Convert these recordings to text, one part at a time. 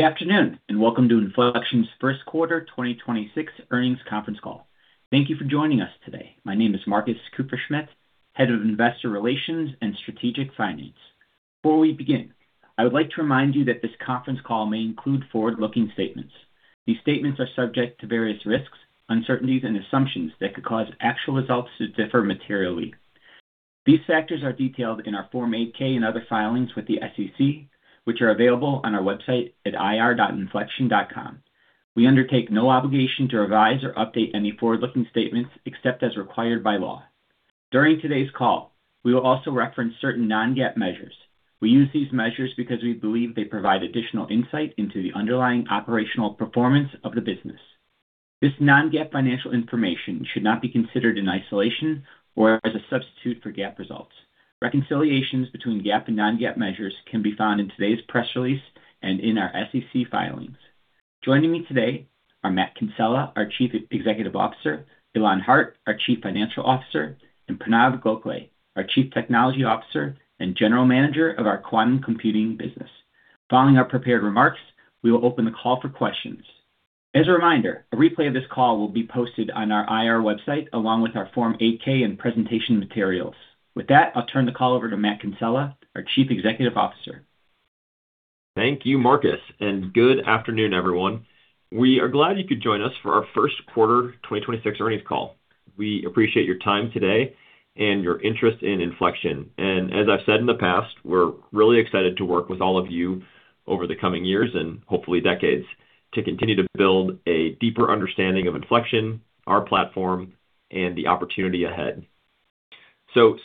Good afternoon, and welcome to Infleqtion's first quarter 2026 earnings conference call. Thank you for joining us today. My name is Marcus Kupferschmidt, head of Investor Relations and Strategic Finance. Before we begin, I would like to remind you that this conference call may include forward-looking statements. These statements are subject to various risks, uncertainties, and assumptions that could cause actual results to differ materially. These factors are detailed in our Form 8-K and other filings with the SEC, which are available on our website at ir.infleqtion.com. We undertake no obligation to revise or update any forward-looking statements except as required by law. During today's call, we will also reference certain non-GAAP measures. We use these measures because we believe they provide additional insight into the underlying operational performance of the business. This non-GAAP financial information should not be considered in isolation or as a substitute for GAAP results. Reconciliations between GAAP and non-GAAP measures can be found in today's press release and in our SEC filings. Joining me today are Matt Kinsella, our Chief Executive Officer; Ilan Hart, our Chief Financial Officer; and Pranav Gokhale, our Chief Technology Officer and General Manager of our Quantum Computing business. Following our prepared remarks, we will open the call for questions. As a reminder, a replay of this call will be posted on our IR website, along with our Form 8-K and presentation materials. With that, I'll turn the call over to Matt Kinsella, our Chief Executive Officer. Thank you, Marcus, and good afternoon, everyone. We are glad you could join us for our first quarter 2026 earnings call. We appreciate your time today and your interest in Infleqtion. As I've said in the past, we're really excited to work with all of you over the coming years and hopefully decades to continue to build a deeper understanding of Infleqtion, our platform, and the opportunity ahead.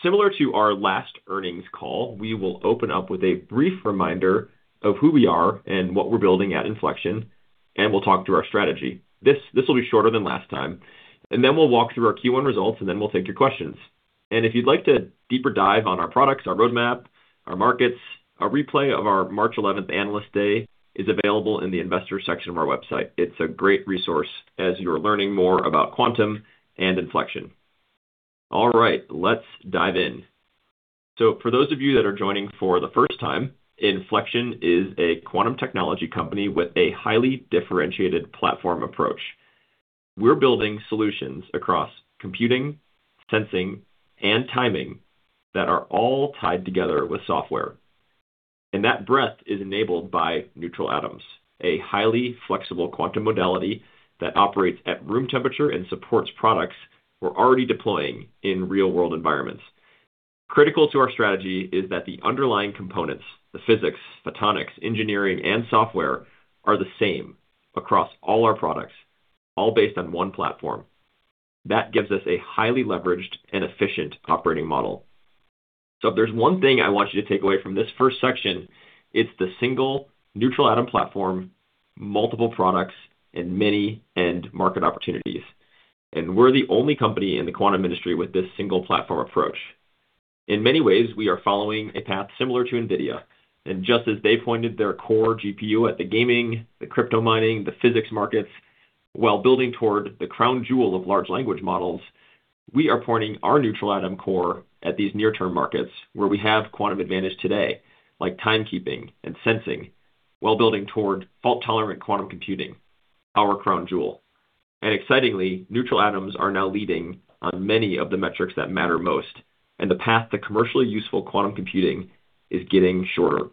Similar to our last earnings call, we will open up with a brief reminder of who we are and what we're building at Infleqtion, and we'll talk through our strategy. This will be shorter than last time, and then we'll walk through our Q1 results, and then we'll take your questions. If you'd like to deeper dive on our products, our roadmap, our markets, a replay of our March 11th Analyst Day is available in the investor section of our website. It's a great resource as you're learning more about quantum and Infleqtion. All right, let's dive in. For those of you that are joining for the first time, Infleqtion is a quantum technology company with a highly differentiated platform approach. We're building solutions across computing, sensing, and timing that are all tied together with software. That breadth is enabled by neutral atoms, a highly flexible quantum modality that operates at room temperature and supports products we're already deploying in real-world environments. Critical to our strategy is that the underlying components, the physics, photonics, engineering, and software are the same across all our products, all based on one platform. That gives us a highly leveraged and efficient operating model. If there's one thing I want you to take away from this first section, it's the single neutral atom platform, multiple products, and many end market opportunities. We're the only company in the quantum industry with this single platform approach. In many ways, we are following a path similar to NVIDIA, and just as they pointed their core GPU at the gaming, the crypto mining, the physics markets, while building toward the crown jewel of large language models, we are pointing our neutral atom core at these near-term markets where we have quantum advantage today, like timekeeping and sensing, while building toward fault-tolerant quantum computing, our crown jewel. Excitingly, neutral atoms are now leading on many of the metrics that matter most, and the path to commercially useful quantum computing is getting shorter.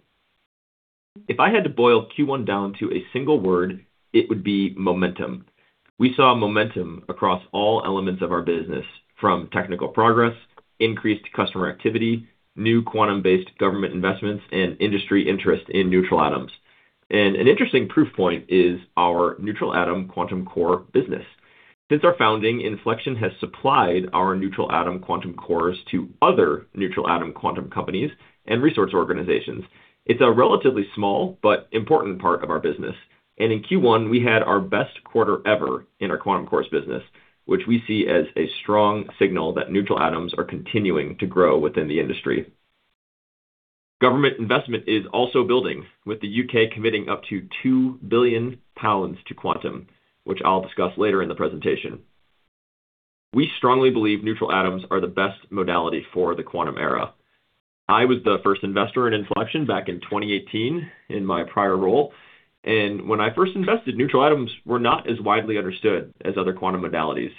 If I had to boil Q1 down to a single word, it would be momentum. We saw momentum across all elements of our business, from technical progress, increased customer activity, new quantum-based government investments, and industry interest in neutral atoms. An interesting proof point is our neutral atom quantum core business. Since our founding, Infleqtion has supplied our neutral atom quantum cores to other neutral atom quantum companies and resource organizations. It's a relatively small but important part of our business, and in Q1, we had our best quarter ever in our quantum cores business, which we see as a strong signal that neutral atoms are continuing to grow within the industry. Government investment is also building, with the U.K. committing up to 2 billion pounds to quantum, which I'll discuss later in the presentation. We strongly believe neutral atoms are the best modality for the quantum era. I was the first investor in Infleqtion back in 2018 in my prior role. When I first invested, neutral atoms were not as widely understood as other quantum modalities.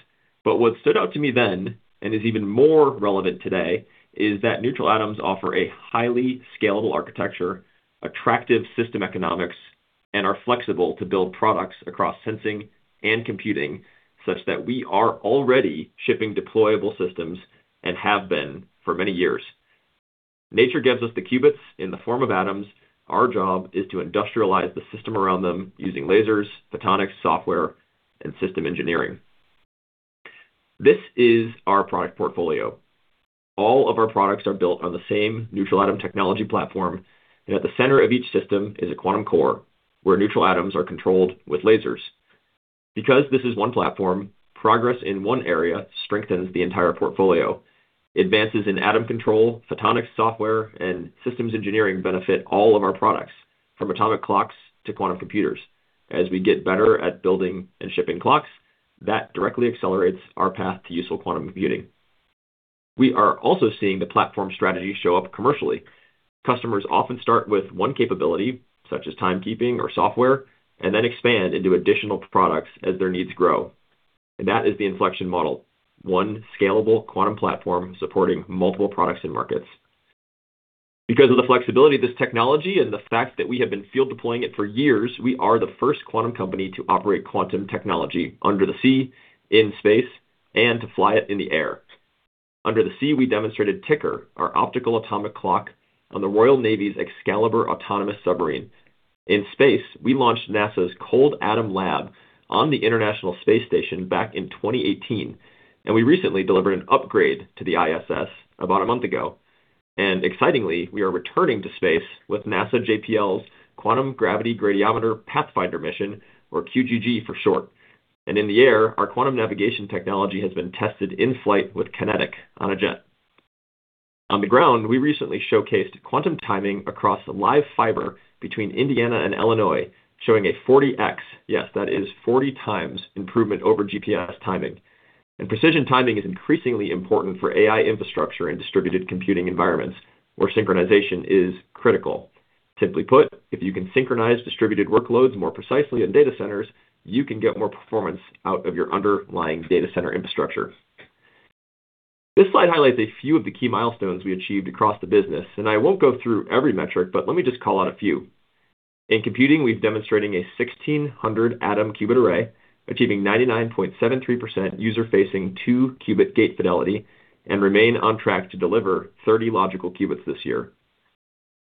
What stood out to me then, is even more relevant today, is that neutral atoms offer a highly scalable architecture, attractive system economics, and are flexible to build products across sensing and computing, such that we are already shipping deployable systems and have been for many years. Nature gives us the qubits in the form of atoms. Our job is to industrialize the system around them using lasers, photonics, software, and system engineering. This is our product portfolio. All of our products are built on the same neutral atom technology platform. At the center of each system is a quantum core where neutral atoms are controlled with lasers. Because this is one platform, progress in one area strengthens the entire portfolio. Advances in atom control, photonics software, and systems engineering benefit all of our products, from atomic clocks to quantum computers. As we get better at building and shipping clocks, that directly accelerates our path to useful quantum computing. We are also seeing the platform strategy show up commercially. Customers often start with one capability, such as timekeeping or software, and then expand into additional products as their needs grow. That is the Infleqtion model, one scalable quantum platform supporting multiple products and markets. Because of the flexibility of this technology and the fact that we have been field deploying it for years, we are the first quantum company to operate quantum technology under the sea, in space, and to fly it in the air. Under the sea, we demonstrated Tiqker, our optical atomic clock, on the Royal Navy's Excalibur autonomous submarine. In space, we launched NASA's Cold Atom Lab on the International Space Station back in 2018, we recently delivered an upgrade to the ISS about a month ago. Excitingly, we are returning to space with NASA JPL's Quantum Gravity Gradiometer Pathfinder mission, or QGG for short. In the air, our quantum navigation technology has been tested in flight with QinetiQ on a jet. On the ground, we recently showcased quantum timing across a live fiber between Indiana and Illinois, showing a 40x, yes, that is 40x improvement over GPS timing. Precision timing is increasingly important for AI infrastructure in distributed computing environments where synchronization is critical. Simply put, if you can synchronize distributed workloads more precisely in data centers, you can get more performance out of your underlying data center infrastructure. This slide highlights a few of the key milestones we achieved across the business. I won't go through every metric, but let me just call out a few. In computing, we've demonstrating a 1,600 atom qubit array, achieving 99.73% user-facing two-qubit gate fidelity and remain on track to deliver 30 logical qubits this year.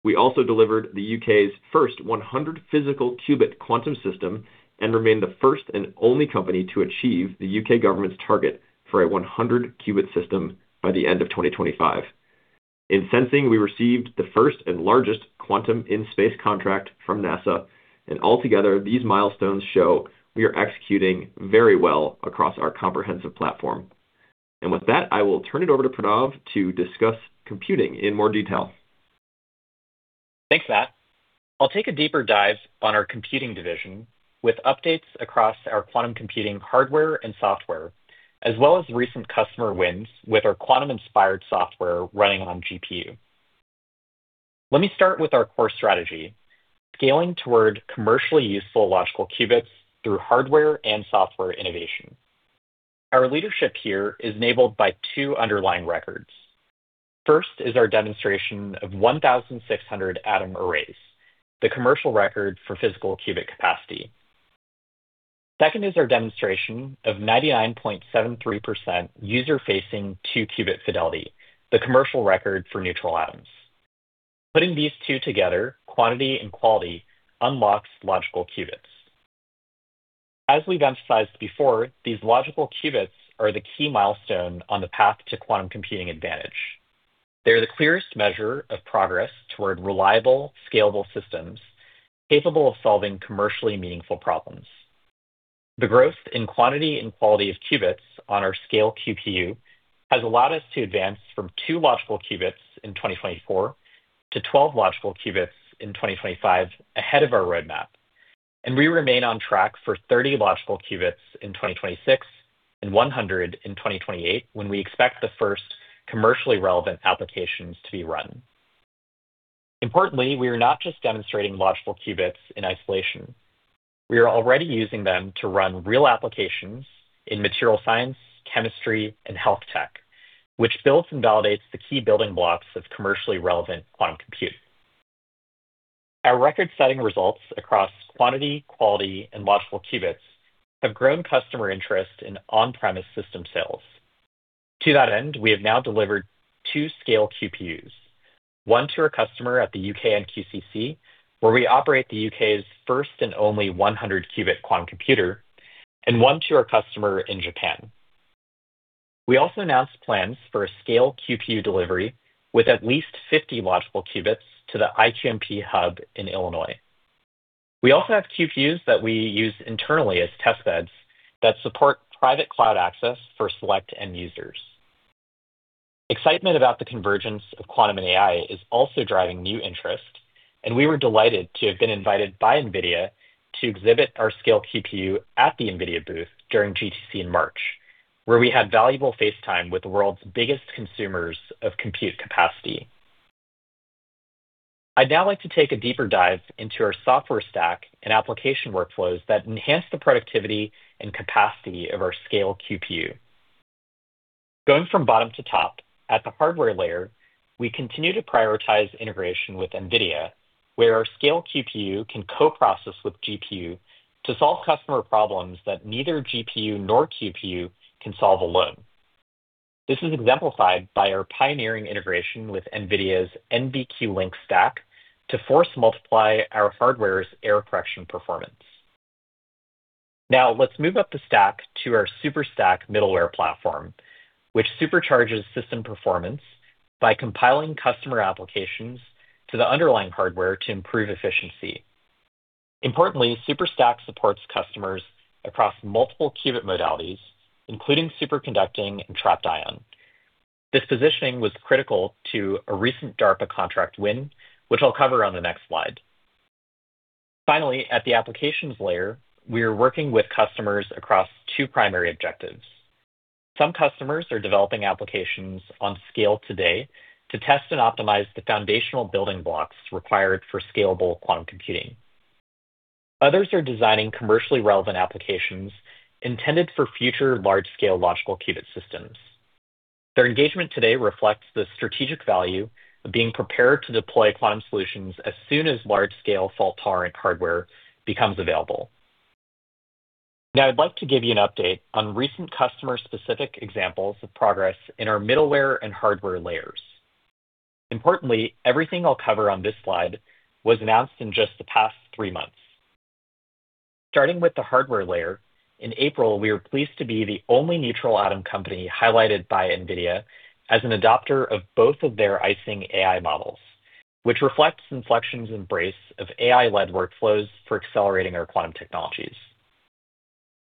We also delivered the U.K.'s first 100 physical qubit quantum system and remain the first and only company to achieve the U.K. government's target for a 100-qubit system by the end of 2025. In sensing, we received the first and largest quantum in space contract from NASA, and altogether, these milestones show we are executing very well across our comprehensive platform. With that, I will turn it over to Pranav to discuss computing in more detail. Thanks, Matt. I'll take a deeper dive on our computing division with updates across our quantum computing hardware and software, as well as recent customer wins with our quantum-inspired software running on GPU. Let me start with our core strategy, scaling toward commercially useful logical qubits through hardware and software innovation. Our leadership here is enabled by two underlying records. First is our demonstration of 1,600 atom arrays, the commercial record for physical qubit capacity. Second is our demonstration of 99.73% user-facing two qubit fidelity, the commercial record for neutral atoms. Putting these two together, quantity and quality, unlocks logical qubits. As we've emphasized before, these logical qubits are the key milestone on the path to quantum computing advantage. They are the clearest measure of progress toward reliable, scalable systems capable of solving commercially meaningful problems. The growth in quantity and quality of qubits on our Sqale QPU has allowed us to advance from two logical qubits in 2024 to 12 logical qubits in 2025 ahead of our roadmap. We remain on track for 30 logical qubits in 2026 and 100 in 2028 when we expect the first commercially relevant applications to be run. Importantly, we are not just demonstrating logical qubits in isolation. We are already using them to run real applications in material science, chemistry, and health tech, which builds and validates the key building blocks of commercially relevant quantum compute. Our record-setting results across quantity, quality, and logical qubits have grown customer interest in on-premise system sales. To that end, we have now delivered two Sqale QPUs, one to our customer at the UKNQCC, where we operate the U.K.'s first and only 100-qubit quantum computer, and one to our customer in Japan. We also announced plans for a Sqale QPU delivery with at least 50 logical qubits to the IQMP hub in Illinois. We also have QPUs that we use internally as test beds that support private cloud access for select end users. Excitement about the convergence of quantum and AI is also driving new interest, and we were delighted to have been invited by NVIDIA to exhibit our Sqale QPU at the NVIDIA booth during GTC in March, where we had valuable face time with the world's biggest consumers of compute capacity. I'd now like to take a deeper dive into our software stack and application workflows that enhance the productivity and capacity of our Sqale QPU. Going from bottom to top, at the hardware layer, we continue to prioritize integration with NVIDIA, where our Sqale QPU can co-process with GPU to solve customer problems that neither GPU nor QPU can solve alone. This is exemplified by our pioneering integration with NVIDIA's NVQLink stack to force multiply our hardware's error correction performance. Now, let's move up the stack to our Superstaq middleware platform, which supercharges system performance by compiling customer applications to the underlying hardware to improve efficiency. Importantly, Superstaq supports customers across multiple qubit modalities, including superconducting and trapped ion. This positioning was critical to a recent DARPA contract win, which I'll cover on the next slide. At the applications layer, we are working with customers across two primary objectives. Some customers are developing applications on Sqale today to test and optimize the foundational building blocks required for scalable quantum computing. Others are designing commercially relevant applications intended for future large-scale logical qubit systems. Their engagement today reflects the strategic value of being prepared to deploy quantum solutions as soon as large-scale fault-tolerant hardware becomes available. I'd like to give you an update on recent customer-specific examples of progress in our middleware and hardware layers. Importantly, everything I'll cover on this slide was announced in just the past three months. Starting with the hardware layer, in April, we were pleased to be the only neutral atom company highlighted by NVIDIA as an adopter of both of their Ising AI models, which reflects Infleqtion's embrace of AI-led workflows for accelerating our quantum technologies.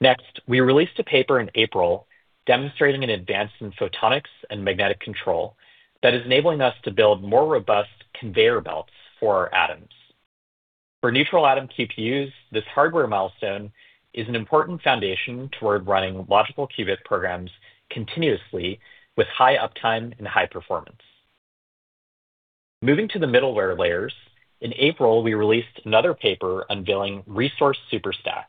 Next, we released a paper in April demonstrating an advance in photonics and magnetic control that is enabling us to build more robust conveyor belts for our atoms. For neutral atom QPUs, this hardware milestone is an important foundation toward running logical qubit programs continuously with high uptime and high performance. Moving to the middleware layers, in April, we released another paper unveiling Resource Superstaq,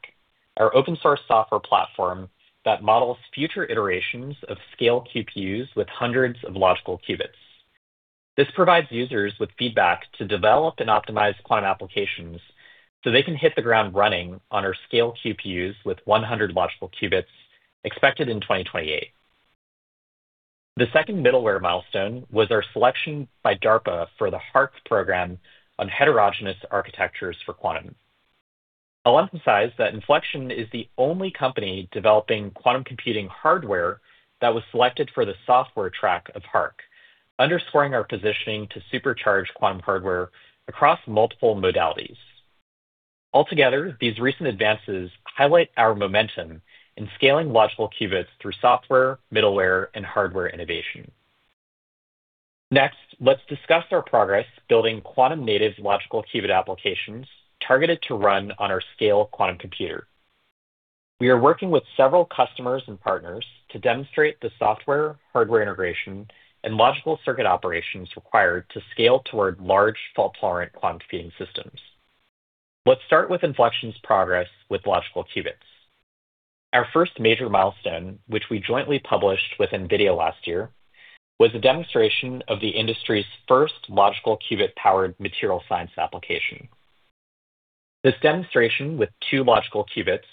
our open-source software platform that models future iterations of Sqale QPUs with hundreds of logical qubits. This provides users with feedback to develop and optimize quantum applications so they can hit the ground running on our Sqale QPUs with 100 logical qubits expected in 2028. The second middleware milestone was our selection by DARPA for the HARC program on heterogeneous architectures for quantum. I'll emphasize that Infleqtion is the only company developing quantum computing hardware that was selected for the software track of HARC, underscoring our positioning to supercharge quantum hardware across multiple modalities. These recent advances highlight our momentum in scaling logical qubits through software, middleware, and hardware innovation. Let's discuss our progress building quantum-native logical qubit applications targeted to run on our scale quantum computer. We are working with several customers and partners to demonstrate the software, hardware integration, and logical circuit operations required to scale toward large fault-tolerant quantum computing systems. Let's start with Infleqtion's progress with logical qubits. Our first major milestone, which we jointly published with NVIDIA last year, was a demonstration of the industry's first logical qubit-powered material science application. This demonstration with two logical qubits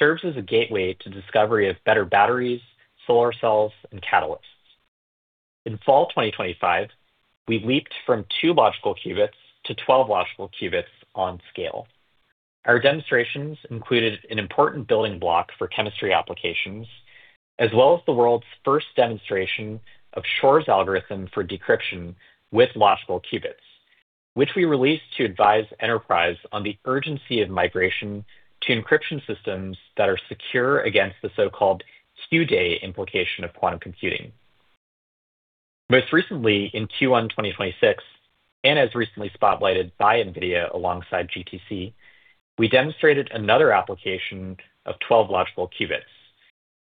serves as a gateway to discovery of better batteries, solar cells, and catalysts. In fall 2025, we leaped from two logical qubits to 12 logical qubits on Sqale. Our demonstrations included an important building block for chemistry applications, as well as the world's first demonstration of Shor's algorithm for decryption with logical qubits, which we released to advise enterprise on the urgency of migration to encryption systems that are secure against the so-called Q-day implication of quantum computing. Most recently, in Q1 2026, as recently spotlighted by NVIDIA alongside GTC, we demonstrated another application of 12 logical qubits,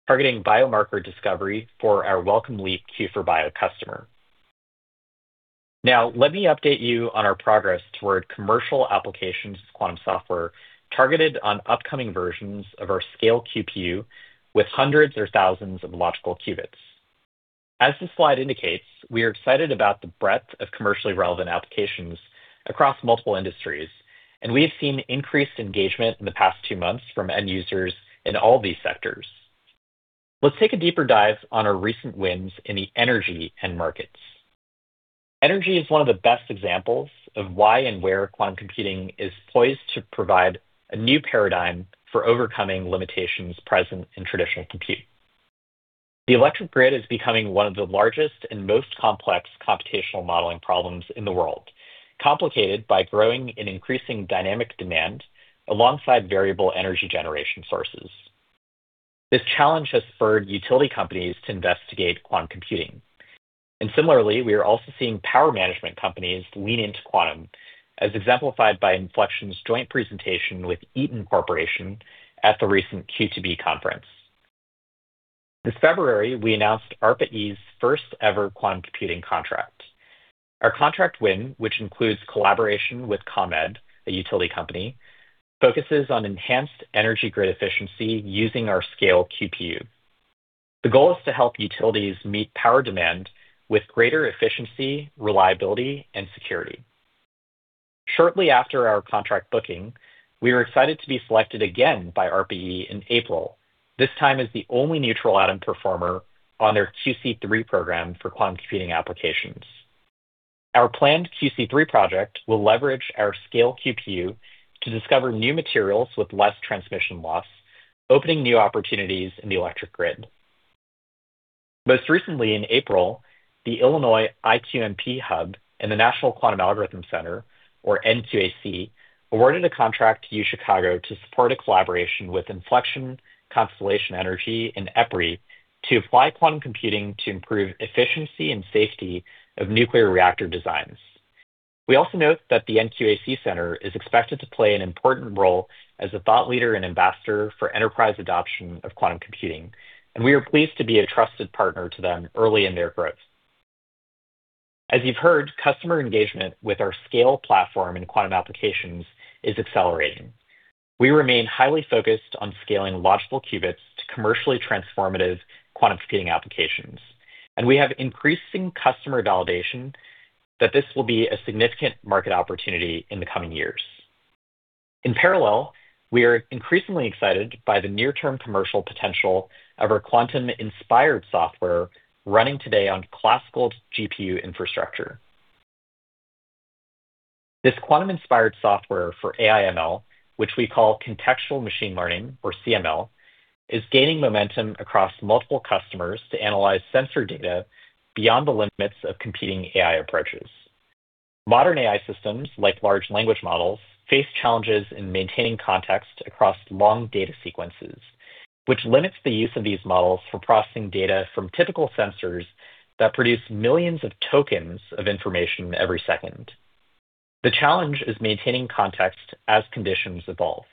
targeting biomarker discovery for our Wellcome Leap Q for Bio customer. Let me update you on our progress toward commercial applications of quantum software targeted on upcoming versions of our Sqale QPU with hundreds or thousands of logical qubits. As this slide indicates, we are excited about the breadth of commercially relevant applications across multiple industries, and we have seen increased engagement in the past two months from end users in all these sectors. Let's take a deeper dive on our recent wins in the energy end markets. Energy is one of the best examples of why and where quantum computing is poised to provide a new paradigm for overcoming limitations present in traditional compute. The electric grid is becoming one of the largest and most complex computational modeling problems in the world, complicated by growing and increasing dynamic demand alongside variable energy generation sources. This challenge has spurred utility companies to investigate quantum computing, and similarly, we are also seeing power management companies lean into quantum, as exemplified by Infleqtion's joint presentation with Eaton Corporation at the recent Q2B conference. This February, we announced ARPA-E's first-ever quantum computing contract. Our contract win, which includes collaboration with ComEd, a utility company, focuses on enhanced energy grid efficiency using our Sqale QPU. The goal is to help utilities meet power demand with greater efficiency, reliability, and security. Shortly after our contract booking, we were excited to be selected again by ARPA-E in April, this time as the only neutral atom performer on their QC3 program for quantum computing applications. Our planned QC3 project will leverage our Sqale QPU to discover new materials with less transmission loss, opening new opportunities in the electric grid. Most recently, in April, the Illinois IQMP Hub and the National Quantum Algorithm Center, or NQAC, awarded a contract to UChicago to support a collaboration with Infleqtion, Constellation Energy, and EPRI to apply quantum computing to improve efficiency and safety of nuclear reactor designs. We also note that the NQAC center is expected to play an important role as a thought leader and ambassador for enterprise adoption of quantum computing, and we are pleased to be a trusted partner to them early in their growth. As you've heard, customer engagement with our Sqale QPU in quantum applications is accelerating. We remain highly focused on scaling logical qubits to commercially transformative quantum computing applications, and we have increasing customer validation that this will be a significant market opportunity in the coming years. In parallel, we are increasingly excited by the near-term commercial potential of our quantum-inspired software running today on classical GPU infrastructure. This quantum-inspired software for AI/ML, which we call Contextual Machine Learning or CML, is gaining momentum across multiple customers to analyze sensor data beyond the limits of competing AI approaches. Modern AI systems like large language models face challenges in maintaining context across long data sequences, which limits the use of these models for processing data from typical sensors that produce millions of tokens of information every second. The challenge is maintaining context as conditions evolve,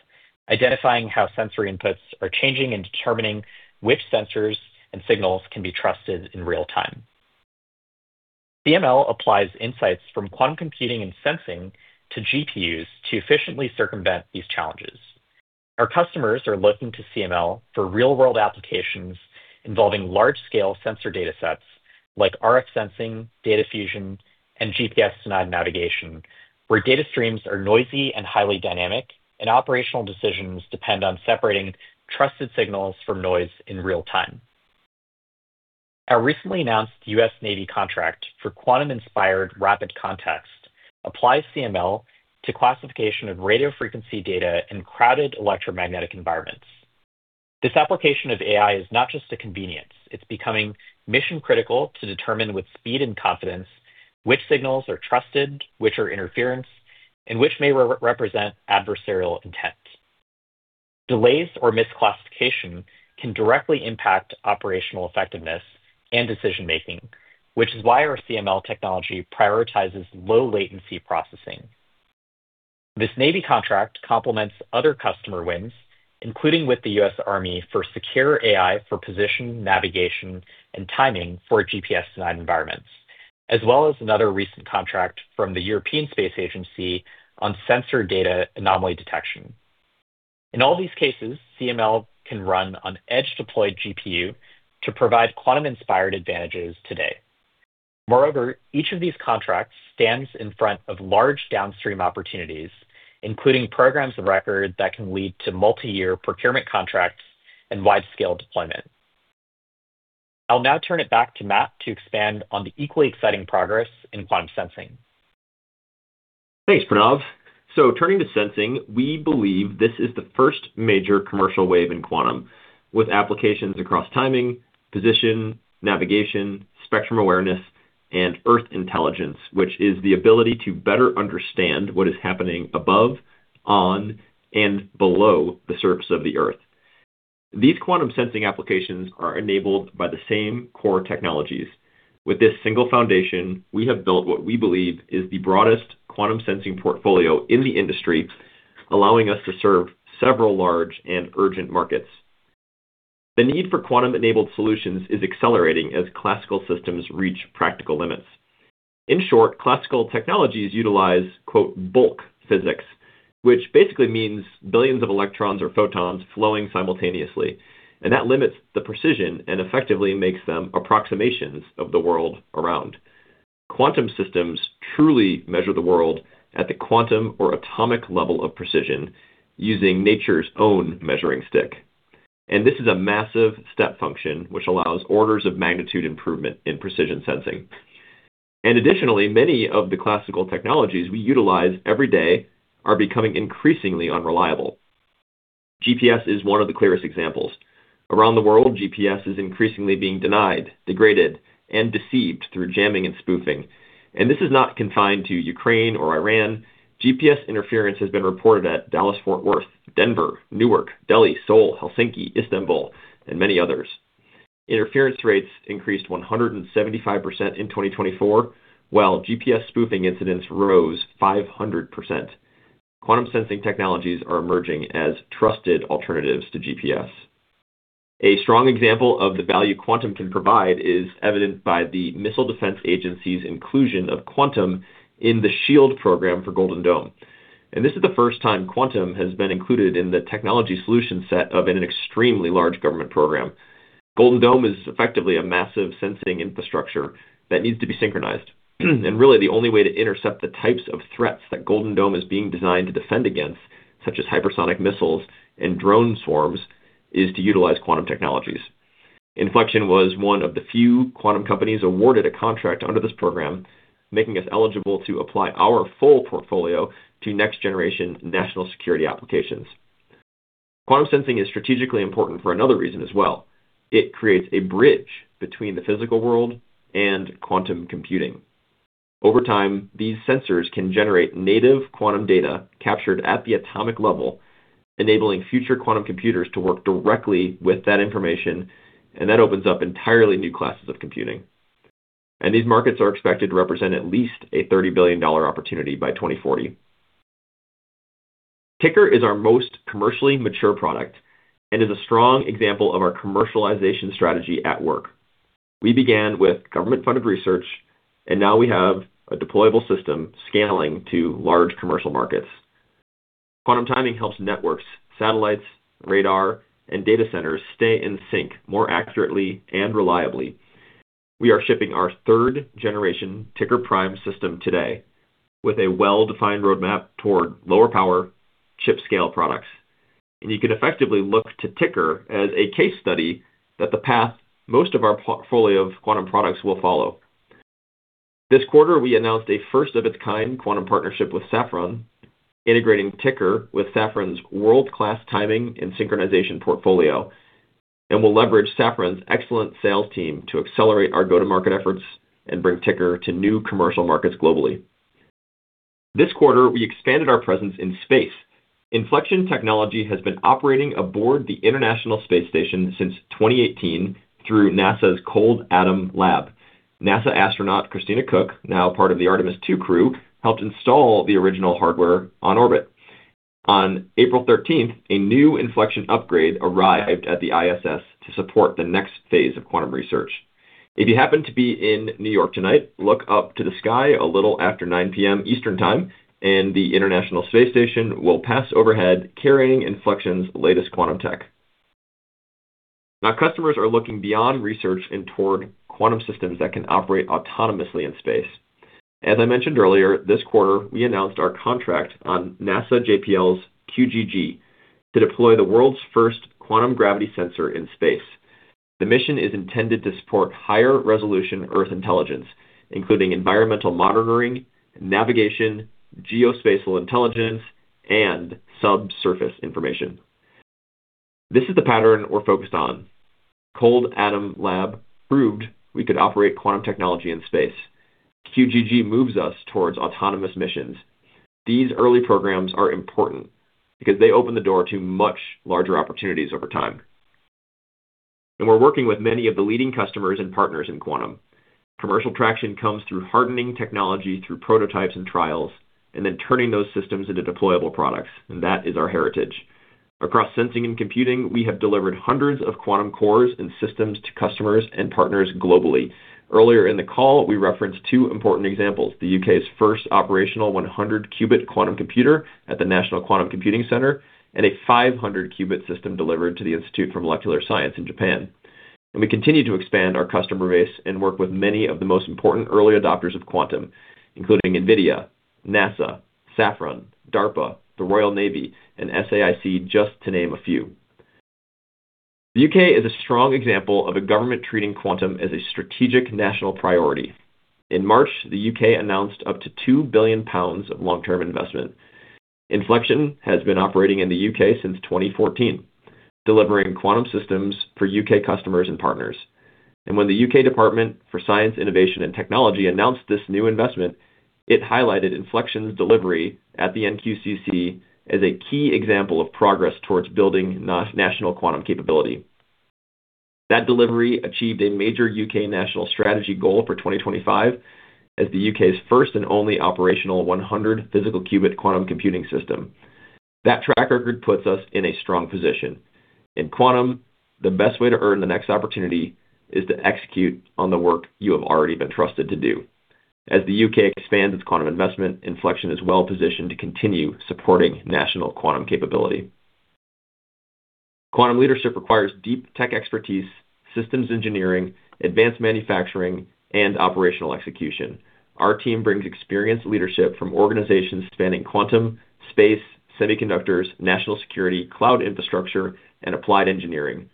identifying how sensory inputs are changing, and determining which sensors and signals can be trusted in real time. CML applies insights from quantum computing and sensing to GPUs to efficiently circumvent these challenges. Our customers are looking to CML for real-world applications involving large-scale sensor data sets like RF sensing, data fusion, and GPS-denied navigation, where data streams are noisy and highly dynamic, and operational decisions depend on separating trusted signals from noise in real time. Our recently announced U.S. Navy contract for quantum-inspired rapid context applies CML to classification of radio frequency data in crowded electromagnetic environments. This application of AI is not just a convenience, it's becoming mission-critical to determine with speed and confidence which signals are trusted, which are interference, and which may re-represent adversarial intent. Delays or misclassification can directly impact operational effectiveness and decision-making, which is why our CML technology prioritizes low-latency processing. This Navy contract complements other customer wins, including with the U.S. Army for secure AI for position, navigation, and timing for GPS-denied environments, as well as another recent contract from the European Space Agency on sensor data anomaly detection. In all these cases, CML can run on edge-deployed GPU to provide quantum-inspired advantages today. Moreover, each of these contracts stands in front of large downstream opportunities, including programs of record that can lead to multi-year procurement contracts and wide-scale deployment. I'll now turn it back to Matt to expand on the equally exciting progress in quantum sensing. Thanks, Pranav. Turning to sensing, we believe this is the first major commercial wave in quantum with applications across timing, position, navigation, spectrum awareness, and Earth intelligence, which is the ability to better understand what is happening above, on, and below the surface of the Earth. These quantum sensing applications are enabled by the same core technologies. With this single foundation, we have built what we believe is the broadest quantum sensing portfolio in the industry, allowing us to serve several large and urgent markets. The need for quantum-enabled solutions is accelerating as classical systems reach practical limits. In short, classical technologies utilize quote, "bulk physics," which basically means billions of electrons or photons flowing simultaneously, and that limits the precision and effectively makes them approximations of the world around. Quantum systems truly measure the world at the quantum or atomic level of precision using nature's own measuring stick. This is a massive step function, which allows orders of magnitude improvement in precision sensing. Additionally, many of the classical technologies we utilize every day are becoming increasingly unreliable. GPS is one of the clearest examples. Around the world, GPS is increasingly being denied, degraded, and deceived through jamming and spoofing, and this is not confined to Ukraine or Iran. GPS interference has been reported at Dallas-Fort Worth, Denver, Newark, Delhi, Seoul, Helsinki, Istanbul, and many others. Interference rates increased 175% in 2024, while GPS spoofing incidents rose 500%. Quantum sensing technologies are emerging as trusted alternatives to GPS. A strong example of the value quantum can provide is evident by the Missile Defense Agency's inclusion of quantum in the Shield program for Golden Dome. This is the first time quantum has been included in the technology solution set of an extremely large government program. Golden Dome is effectively a massive sensing infrastructure that needs to be synchronized. Really the only way to intercept the types of threats that Golden Dome is being designed to defend against, such as hypersonic missiles and drone swarms, is to utilize quantum technologies. Infleqtion was one of the few quantum companies awarded a contract under this program, making us eligible to apply our full portfolio to next-generation national security applications. Quantum sensing is strategically important for another reason as well. It creates a bridge between the physical world and quantum computing. Over time, these sensors can generate native quantum data captured at the atomic level, enabling future quantum computers to work directly with that information, and that opens up entirely new classes of computing. These markets are expected to represent at least a $30 billion opportunity by 2040. Tiqker is our most commercially mature product and is a strong example of our commercialization strategy at work. We began with government-funded research, and now we have a deployable system scaling to large commercial markets. Quantum timing helps networks, satellites, radar, and data centers stay in sync more accurately and reliably. We are shipping our third-generation Tiqker Prime system today with a well-defined roadmap toward lower power chip-scale products. You can effectively look to Tiqker as a case study that the path most of our portfolio of quantum products will follow. This quarter, we announced a first-of-its-kind quantum partnership with Safran, integrating Tiqker with Safran's world-class timing and synchronization portfolio, and will leverage Safran's excellent sales team to accelerate our go-to-market efforts and bring Tiqker to new commercial markets globally. This quarter, we expanded our presence in space. Infleqtion Technology has been operating aboard the International Space Station since 2018 through NASA's Cold Atom Lab. NASA astronaut Christina Koch, now part of the Artemis 2 crew, helped install the original hardware on orbit. On April 13th, a new Infleqtion upgrade arrived at the ISS to support the next phase of quantum research. If you happen to be in New York tonight, look up to the sky a little after 9:00 P.M. Eastern Time, and the International Space Station will pass overhead carrying Infleqtion's latest quantum tech. Customers are looking beyond research and toward quantum systems that can operate autonomously in space. As I mentioned earlier, this quarter we announced our contract on NASA JPL's QGG to deploy the world's first quantum gravity sensor in space. The mission is intended to support higher-resolution Earth intelligence, including environmental monitoring, navigation, geospatial intelligence, and subsurface information. This is the pattern we're focused on. Cold Atom Lab proved we could operate quantum technology in space. QGG moves us towards autonomous missions. These early programs are important because they open the door to much larger opportunities over time. We're working with many of the leading customers and partners in quantum. Commercial traction comes through hardening technology through prototypes and trials, and then turning those systems into deployable products. That is our heritage. Across sensing and computing, we have delivered hundreds of quantum cores and systems to customers and partners globally. Earlier in the call, we referenced two important examples, the U.K.'s first operational 100-qubit quantum computer at the National Quantum Computing Centre and a 500-qubit system delivered to the Institute for Molecular Science in Japan. We continue to expand our customer base and work with many of the most important early adopters of quantum, including NVIDIA, NASA, Safran, DARPA, the Royal Navy, and SAIC, just to name a few. The U.K. is a strong example of a government treating quantum as a strategic national priority. In March, the U.K. announced up to 2 billion pounds of long-term investment. Infleqtion has been operating in the U.K. since 2014, delivering quantum systems for U.K. customers and partners. When the U.K. Department for Science, Innovation and Technology announced this new investment, it highlighted Infleqtion's delivery at the NQCC as a key example of progress towards building national quantum capability. That delivery achieved a major U.K. national strategy goal for 2025 as the U.K.'s first and only operational 100 physical qubit quantum computing system. That track record puts us in a strong position. In quantum, the best way to earn the next opportunity is to execute on the work you have already been trusted to do. As the U.K. expands its quantum investment, Infleqtion is well-positioned to continue supporting national quantum capability. Quantum leadership requires deep tech expertise, systems engineering, advanced manufacturing, and operational execution. Our team brings experienced leadership from organizations spanning quantum, space, semiconductors, national security, cloud infrastructure, and applied engineering.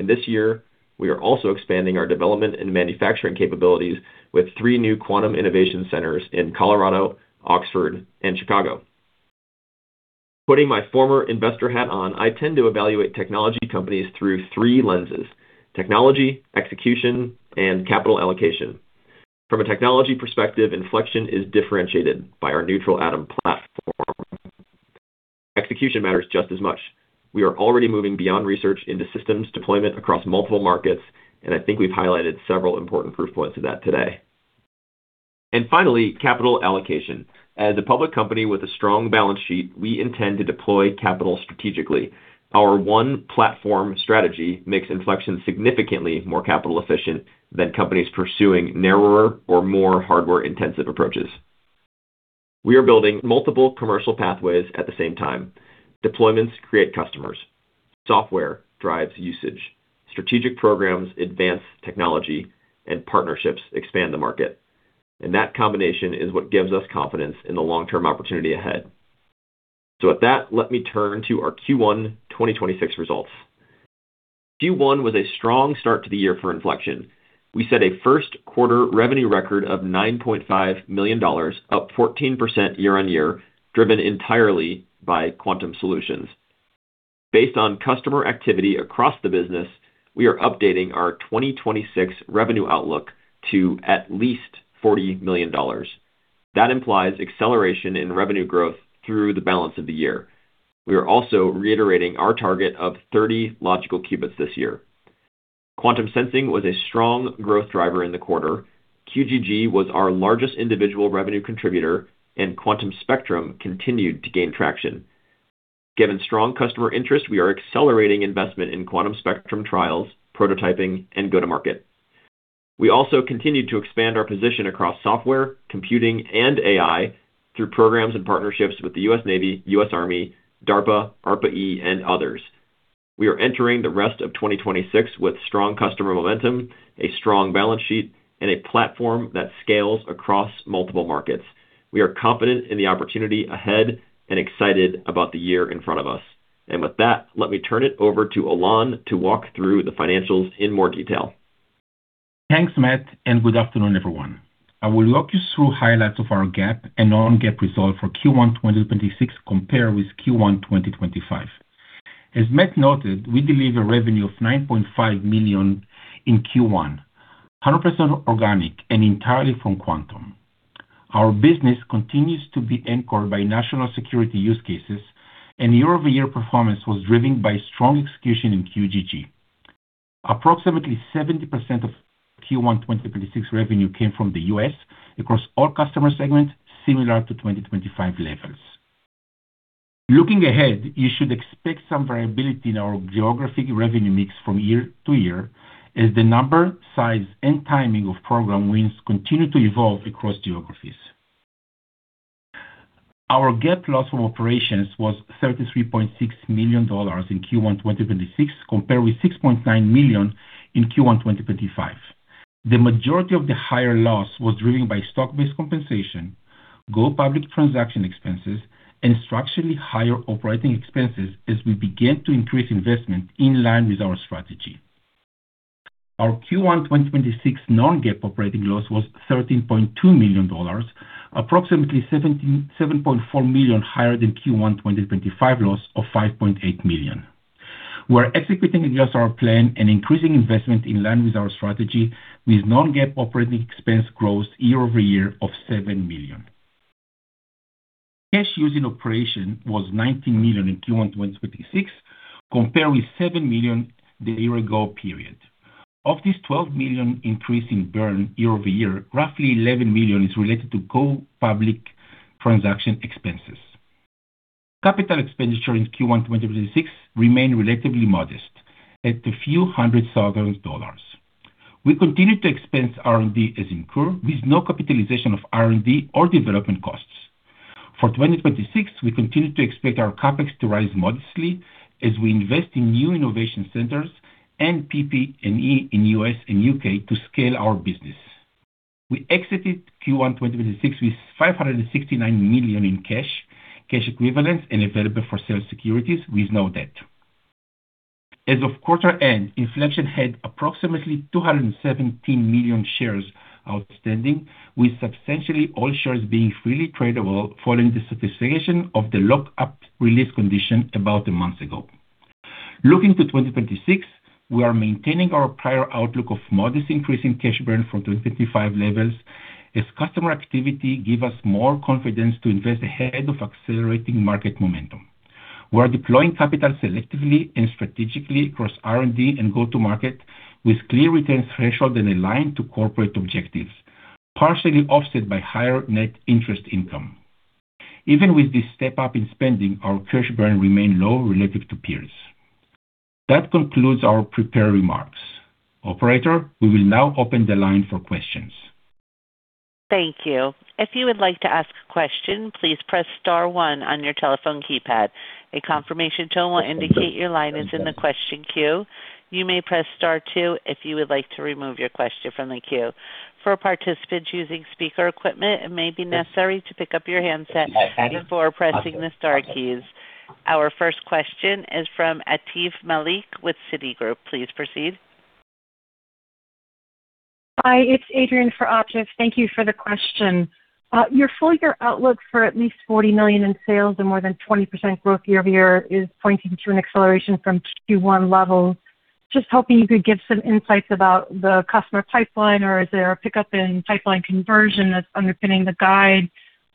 This year, we are also expanding our development and manufacturing capabilities with three new quantum innovation centers in Colorado, Oxford, and Chicago. Putting my former investor hat on, I tend to evaluate technology companies through three lenses: technology, execution, and capital allocation. From a technology perspective, Infleqtion is differentiated by our neutral atom platform. Execution matters just as much. We are already moving beyond research into systems deployment across multiple markets, and I think we've highlighted several important proof points of that today. Finally, capital allocation. As a public company with a strong balance sheet, we intend to deploy capital strategically. Our one platform strategy makes Infleqtion significantly more capital efficient than companies pursuing narrower or more hardware-intensive approaches. We are building multiple commercial pathways at the same time. Deployments create customers. Software drives usage. Strategic programs advance technology, and partnerships expand the market. That combination is what gives us confidence in the long-term opportunity ahead. With that, let me turn to our Q1 2026 results. Q1 was a strong start to the year for Infleqtion. We set a first quarter revenue record of $9.5 million, up 14% year-on-year, driven entirely by quantum solutions. Based on customer activity across the business, we are updating our 2026 revenue outlook to at least $40 million. That implies acceleration in revenue growth through the balance of the year. We are also reiterating our target of 30 logical qubits this year. Quantum sensing was a strong growth driver in the quarter. QGG was our largest individual revenue contributor, and Quantum Spectrum continued to gain traction. Given strong customer interest, we are accelerating investment in Quantum Spectrum trials, prototyping, and go-to-market. We also continued to expand our position across software, computing, and AI through programs and partnerships with the U.S. Navy, U.S. Army, DARPA, ARPA-E, and others. We are entering the rest of 2026 with strong customer momentum, a strong balance sheet, and a platform that scales across multiple markets. We are confident in the opportunity ahead and excited about the year in front of us. With that, let me turn it over to Ilan to walk through the financials in more detail. Thanks, Matt. Good afternoon, everyone. I will walk you through highlights of our GAAP and non-GAAP results for Q1 2026 compared with Q1 2025. As Matt noted, we delivered revenue of $9.5 million in Q1, 100% organic and entirely from quantum. Our business continues to be anchored by national security use cases, and year-over-year performance was driven by strong execution in QGG. Approximately 70% of Q1 2026 revenue came from the U.S. across all customer segments, similar to 2025 levels. Looking ahead, you should expect some variability in our geographic revenue mix from year to year as the number, size, and timing of program wins continue to evolve across geographies. Our GAAP loss from operations was $33.6 million in Q1 2026, compared with $6.9 million in Q1 2025. The majority of the higher loss was driven by stock-based compensation, go public transaction expenses, and structurally higher operating expenses as we begin to increase investment in line with our strategy. Our Q1 2026 non-GAAP operating loss was $13.2 million, approximately $7.4 million higher than Q1 2025 loss of $5.8 million. We're executing against our plan and increasing investment in line with our strategy with non-GAAP operating expense growth year-over-year of $7 million. Cash used in operations was $19 million in Q1 2026, compared with $7 million the year-ago period. Of this $12 million increase in burn year-over-year, roughly $11 million is related to go public transaction expenses. CapEx in Q1 2026 remained relatively modest at a few hundred thousand dollars. We continue to expense R&D as incurred with no capitalization of R&D or development costs. For 2026, we continue to expect our CapEx to rise modestly as we invest in new innovation centers and PP&E in U.S. and U.K. to scale our business. We exited Q1 2026 with $569 million in cash equivalents and available for sale securities with no debt. As of quarter end, Infleqtion had approximately 217 million shares outstanding, with substantially all shares being freely tradable following the satisfaction of the lockup release condition about a month ago. Looking to 2026, we are maintaining our prior outlook of modest increase in cash burn from 2025 levels as customer activity give us more confidence to invest ahead of accelerating market momentum. We are deploying capital selectively and strategically across R&D and go-to-market with clear returns threshold and aligned to corporate objectives, partially offset by higher net interest income. Even with this step-up in spending, our cash burn remain low relative to peers. That concludes our prepared remarks. Operator, we will now open the line for questions. Thank you. Our first question is from Atif Malik with Citigroup. Please proceed. Hi, it's Adrienne for Atif. Thank you for the question. Your full year outlook for at least $40 million in sales and more than 20% growth year-over-year is pointing to an acceleration from Q1 levels. Just hoping you could give some insights about the customer pipeline or is there a pickup in pipeline conversion that's underpinning the guide,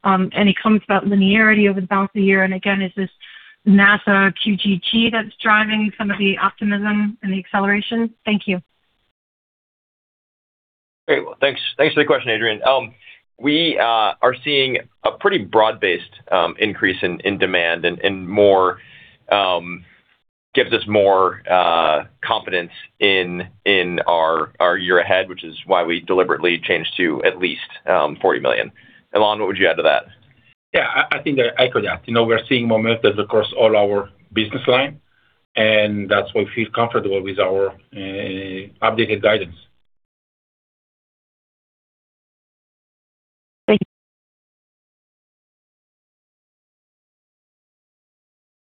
any comments about linearity over the balance of the year? Again, is this NASA QGG that's driving some of the optimism and the acceleration? Thank you. Great. Well, thanks. Thanks for the question, Adrienne. We are seeing a pretty broad-based increase in demand and more gives us more confidence in our year ahead, which is why we deliberately changed to at least $40 million. Ilan, what would you add to that? Yeah, I think I could add. You know, we're seeing momentum across all our business line, and that's why we feel comfortable with our updated guidance. Thank you.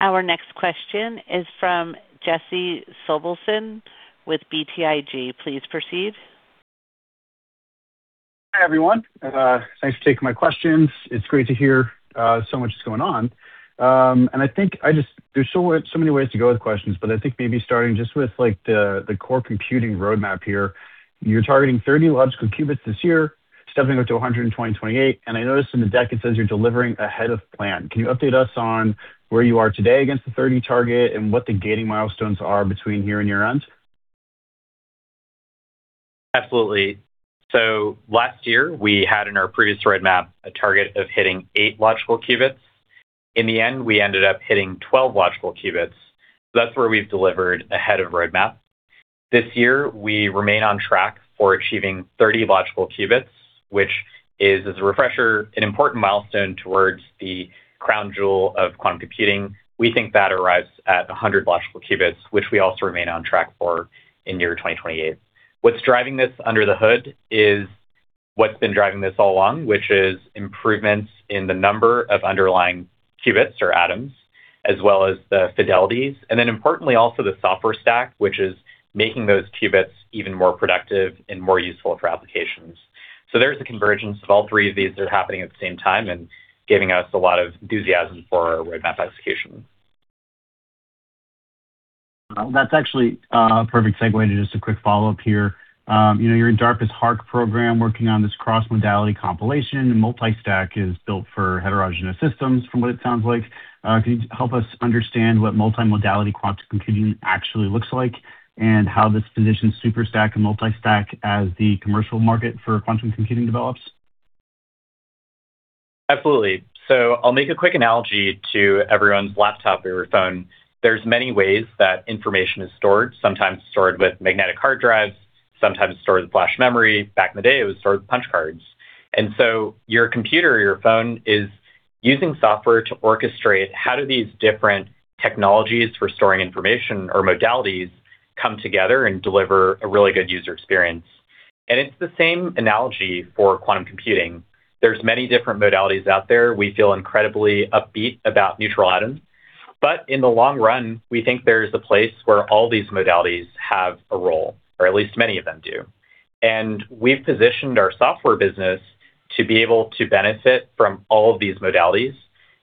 Our next question is from Jesse Sobelson with BTIG. Please proceed. Hi, everyone. Thanks for taking my questions. It's great to hear so much is going on. I think there's so many ways to go with questions, but I think maybe starting just with like the core computing roadmap here. You're targeting 30 logical qubits this year, stepping up to 100 in 2028, I noticed in the deck it says you're delivering ahead of plan. Can you update us on where you are today against the 30 target and what the gating milestones are between here and year-end? Absolutely. Last year, we had in our previous roadmap a target of hitting eight logical qubits. In the end, we ended up hitting 12 logical qubits. That's where we've delivered ahead of roadmap. This year, we remain on track for achieving 30 logical qubits, which is, as a refresher, an important milestone towards the crown jewel of quantum computing. We think that arrives at 100 logical qubits, which we also remain on track for in year 2028. What's driving this under the hood is what's been driving this all along, which is improvements in the number of underlying qubits or atoms, as well as the fidelities, and then importantly also the software stack, which is making those qubits even more productive and more useful for applications. There's the convergence of all three of these are happening at the same time and giving us a lot of enthusiasm for our roadmap execution. Well, that's actually a perfect segue to just a quick follow-up here. You know, you're in DARPA's HARC program working on this cross-modality compilation. Multistack is built for heterogeneous systems from what it sounds like. Can you help us understand what multi-modality quantum computing actually looks like and how this positions Superstaq and Multistack as the commercial market for quantum computing develops? Absolutely. I'll make a quick analogy to everyone's laptop or your phone. There's many ways that information is stored, sometimes stored with magnetic hard drives, sometimes stored with flash memory. Back in the day, it was stored with punch cards. Your computer or your phone is using software to orchestrate how do these different technologies for storing information or modalities come together and deliver a really good user experience. It's the same analogy for quantum computing. There's many different modalities out there. We feel incredibly upbeat about neutral atoms. In the long run, we think there's a place where all these modalities have a role, or at least many of them do. We've positioned our software business to be able to benefit from all of these modalities,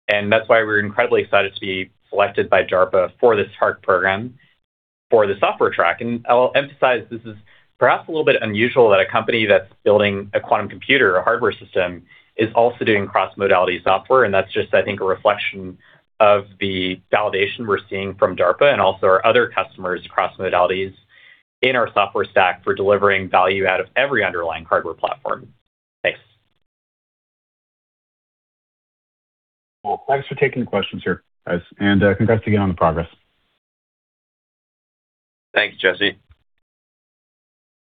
and that's why we're incredibly excited to be selected by DARPA for this HARC program for the software track. I will emphasize this is perhaps a little bit unusual that a company that's building a quantum computer or hardware system is also doing cross-modality software, and that's just, I think, a reflection of the validation we're seeing from DARPA and also our other customers across modalities in our software stack for delivering value out of every underlying hardware platform. Thanks. Well, thanks for taking the questions here, guys, and congrats again on the progress. Thanks, Jesse.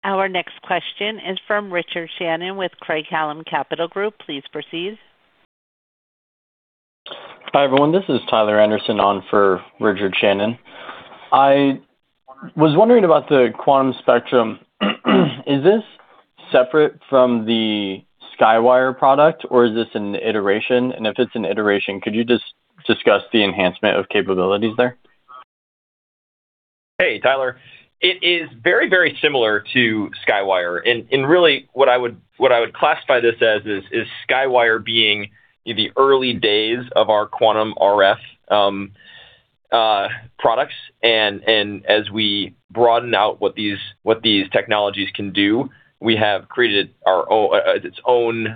Our next question is from Richard Shannon with Craig-Hallum Capital Group. Please proceed. Hi, everyone. This is Tyler Anderson on for Richard Shannon. I was wondering about the Quantum Spectrum. Is this separate from the SqyWire product, or is this an iteration? If it's an iteration, could you just discuss the enhancement of capabilities there? Hey, Tyler. It is very, very similar to SqyWire. Really what I would classify this as is SqyWire being the early days of our Quantum RF products. As we broaden out what these technologies can do, we have created its own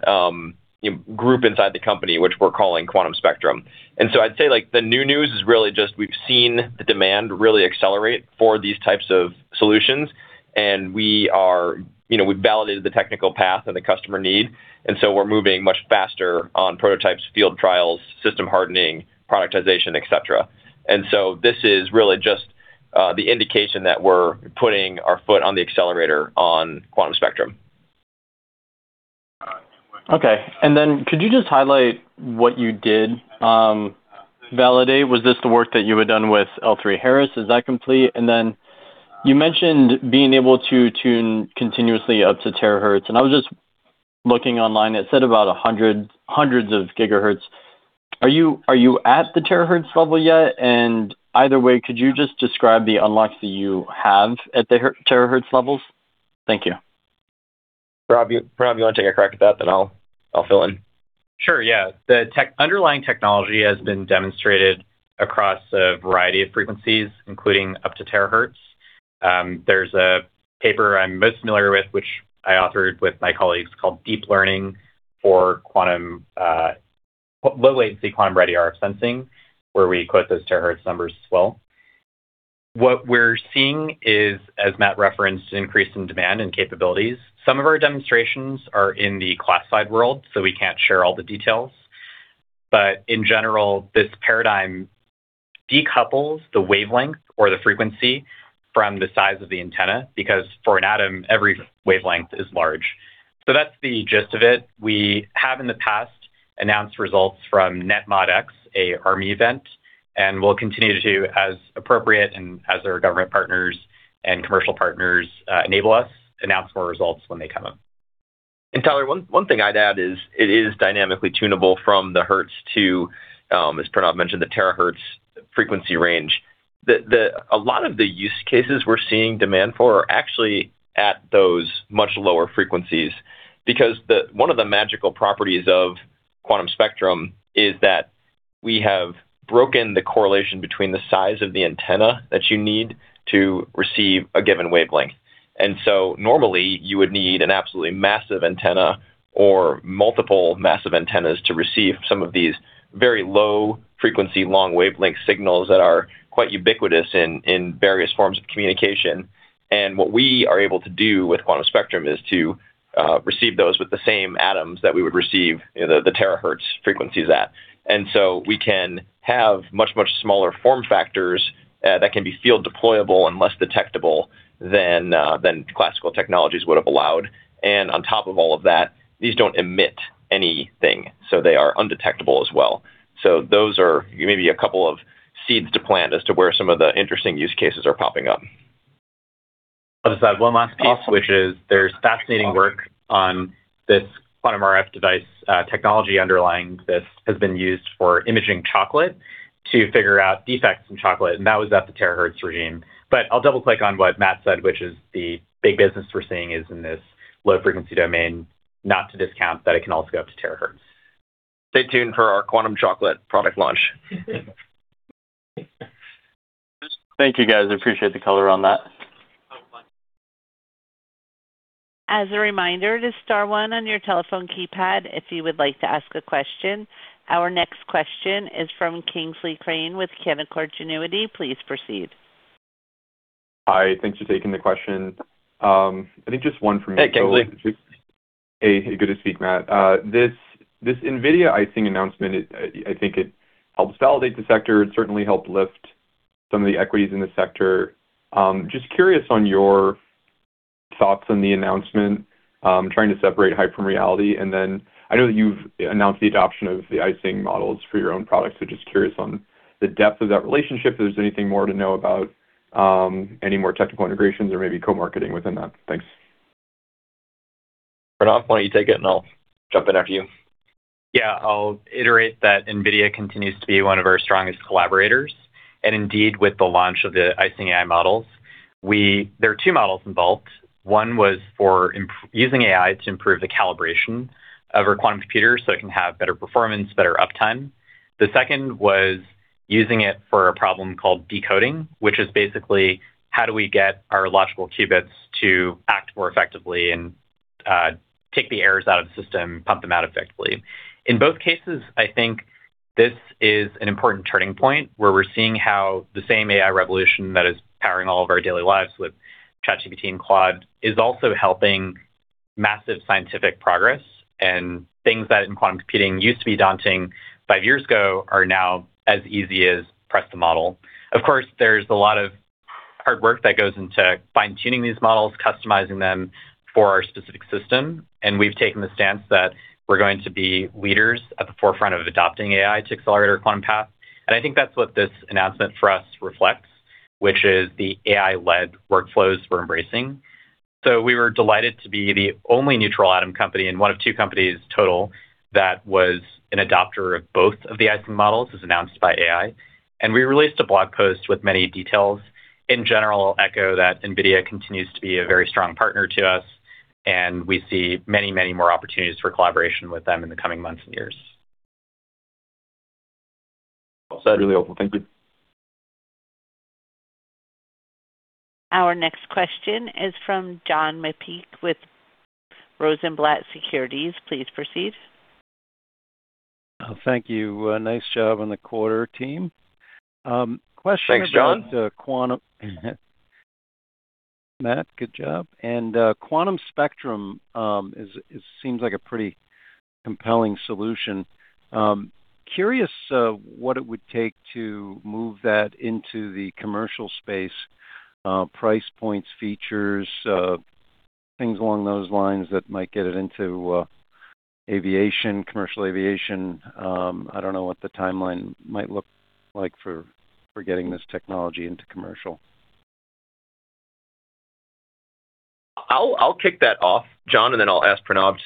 group inside the company, which we're calling Quantum Spectrum. I'd say, like, the new news is really just we've seen the demand really accelerate for these types of solutions, and we are, you know, we've validated the technical path and the customer need, and so we're moving much faster on prototypes, field trials, system hardening, productization, et cetera. This is really just the indication that we're putting our foot on the accelerator on Quantum Spectrum. Okay. Could you just highlight what you did validate? Was this the work that you had done with L3Harris? Is that complete? You mentioned being able to tune continuously up to terahertz, and I was just looking online. It said about hundreds of gigahertz. Are you at the terahertz level yet? Either way, could you just describe the unlocks that you have at the terahertz levels? Thank you. Pranav, you wanna take a crack at that, then I'll fill in? Sure, yeah. The underlying technology has been demonstrated across a variety of frequencies, including up to terahertz. There's a paper I'm most familiar with, which I authored with my colleagues, called Deep Learning for Quantum, Low-Latency Quantum Radar Sensing, where we quote those terahertz numbers as well. What we're seeing is, as Matt referenced, an increase in demand and capabilities. Some of our demonstrations are in the classified world, we can't share all the details. In general, this paradigm decouples the wavelength or the frequency from the size of the antenna because for an atom, every wavelength is large. That's the gist of it. We have in the past announced results from NetModX, a U.S. Army event, and we'll continue to as appropriate and as our government partners and commercial partners enable us to announce more results when they come up. Tyler, one thing I'd add is it is dynamically tunable from the hertz to, as Pranav mentioned, the terahertz frequency range. A lot of the use cases we're seeing demand for are actually at those much lower frequencies because one of the magical properties of Quantum Spectrum is that we have broken the correlation between the size of the antenna that you need to receive a given wavelength. Normally, you would need an absolutely massive antenna or multiple massive antennas to receive some of these very low frequency long wavelength signals that are quite ubiquitous in various forms of communication. What we are able to do with Quantum Spectrum is to receive those with the same atoms that we would receive, you know, the terahertz frequencies at. We can have much, much smaller form factors that can be field deployable and less detectable than classical technologies would have allowed. On top of all of that, these don't emit anything, so they are undetectable as well. Those are maybe a couple of seeds to plant as to where some of the interesting use cases are popping up. I'll just add one last piece, which is there's fascinating work on this Quantum RF device. Technology underlying this has been used for imaging chocolate to figure out defects in chocolate, and that was at the terahertz regime. I'll double-click on what Matt said, which is the big business we're seeing is in this low frequency domain, not to discount that it can also go up to terahertz. Stay tuned for our quantum chocolate product launch. Thank you, guys. I appreciate the color on that. As a reminder to star one on your telephone keypad if you would like to ask a question. Our next question is from Kingsley Crane with Canaccord Genuity. Please proceed. Hi. Thanks for taking the question. I think just one from me. Hey, Crane. Hey. Good to see you, Matt. This NVIDIA, I think, announcement, I think it helps validate the sector. It certainly helped lift some of the equities in the sector. Just curious on your thoughts on the announcement, trying to separate hype from reality. I know that you've announced the adoption of the Ising AI models for your own products, just curious on the depth of that relationship, if there's anything more to know about, any more technical integrations or maybe co-marketing within that. Thanks. Pranav, why don't you take it, and I'll jump in after you. Yeah. I'll iterate that NVIDIA continues to be one of our strongest collaborators, indeed with the launch of the Ising AI models. There are two models involved. One was for using AI to improve the calibration of our quantum computer, so it can have better performance, better uptime. The second was using it for a problem called decoding, which is basically how do we get our logical qubits to act more effectively, take the errors out of the system, pump them out effectively. In both cases, I think this is an important turning point where we're seeing how the same AI revolution that is powering all of our daily lives with ChatGPT and Claude is also helping massive scientific progress, things that in quantum computing used to be daunting five years ago are now as easy as press the model. Of course, there's a lot of hard work that goes into fine-tuning these models, customizing them for our specific system, and we've taken the stance that we're going to be leaders at the forefront of adopting AI to accelerate our quantum path. I think that's what this announcement for us reflects, which is the AI-led workflows we're embracing. We were delighted to be the only neutral atom company and one of two companies total that was an adopter of both of the Ising AI models as announced by NVIDIA. We released a blog post with many details. In general, I'll echo that NVIDIA continues to be a very strong partner to us, and we see many, many more opportunities for collaboration with them in the coming months and years. Well said. Really helpful. Thank you. Our next question is from John McPeake with Rosenblatt Securities. Please proceed. Thank you. nice job on the quarter, team. Thanks, John. about quantum. Matt, good job. Quantum Spectrum is a pretty compelling solution. Curious what it would take to move that into the commercial space, price points, features, things along those lines that might get it into aviation, commercial aviation. I don't know what the timeline might look like for getting this technology into commercial. I'll kick that off, John, and then I'll ask Pranav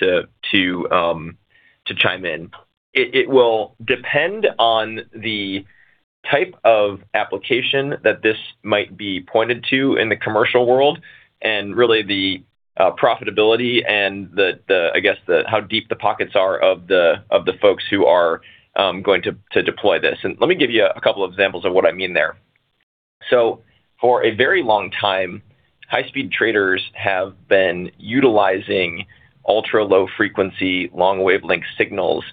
to chime in. It will depend on the type of application that this might be pointed to in the commercial world and really the profitability and the, I guess, the how deep the pockets are of the folks who are going to deploy this. Let me give you a couple examples of what I mean there. For a very long time, high-speed traders have been utilizing ultra-low frequency long wavelength signals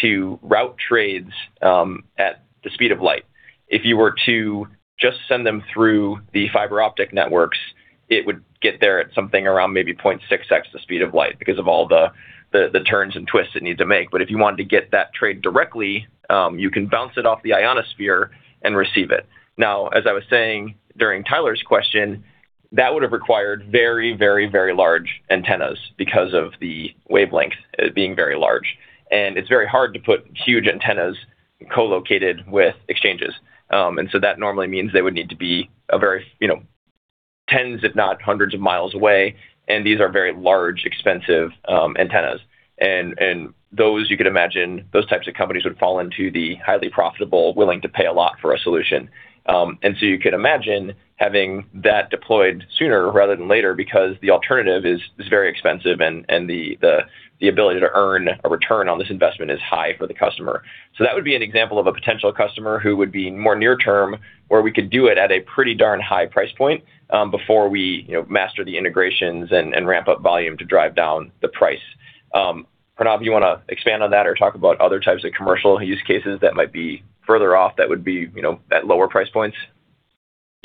to route trades at the speed of light. If you were to just send them through the fiber optic networks, it would get there at something around maybe 0.6x the speed of light because of all the turns and twists it needs to make. If you wanted to get that trade directly, you can bounce it off the ionosphere and receive it. Now, as I was saying during Tyler's question, that would have required very, very, very large antennas because of the wavelength being very large. It's very hard to put huge antennas co-located with exchanges. That normally means they would need to be a very, tens, if not hundreds of miles away, and these are very large, expensive, antennas. Those, you could imagine, those types of companies would fall into the highly profitable, willing to pay a lot for a solution. You could imagine having that deployed sooner rather than later because the alternative is very expensive and the ability to earn a return on this investment is high for the customer. That would be an example of a potential customer who would be more near term, where we could do it at a pretty darn high price point, before we, you know, master the integrations and ramp up volume to drive down the price. Pranav, you wanna expand on that or talk about other types of commercial use cases that might be further off that would be, you know, at lower price points?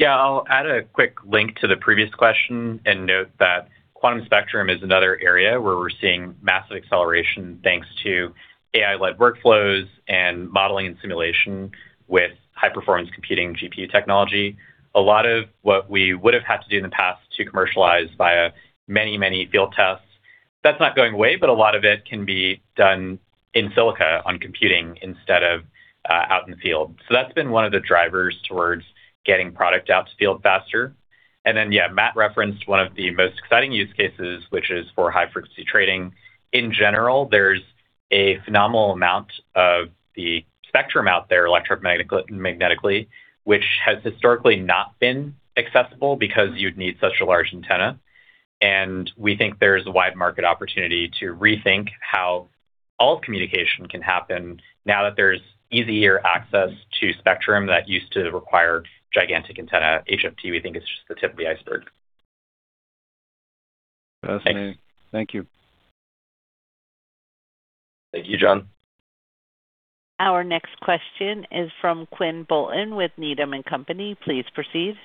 I'll add a quick link to the previous question and note that Quantum Spectrum is another area where we're seeing massive acceleration thanks to AI-led workflows and modeling and simulation with high-performance computing GPU technology. A lot of what we would have had to do in the past to commercialize via many, many field tests, that's not going away, but a lot of it can be done in silico on computing instead of out in the field. That's been one of the drivers towards getting product out to field faster. Matt referenced one of the most exciting use cases, which is for high-frequency trading. In general, there's a phenomenal amount of the spectrum out there electromagnetically, which has historically not been accessible because you'd need such a large antenna. We think there's a wide market opportunity to rethink how all communication can happen now that there's easier access to spectrum that used to require gigantic antenna. HFT, we think, is just the tip of the iceberg. Fascinating. Thank you. Thank you, John. Our next question is from Quinn Bolton with Needham & Company. Please proceed.